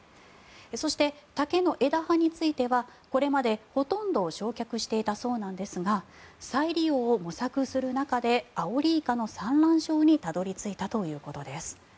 そして、竹の枝葉についてはこれまでほとんど焼却していたそうなんですが再利用を模索する中でアオリイカの産卵床にたどり着いたということです。